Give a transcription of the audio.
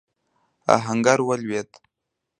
آهنګر ولوېد.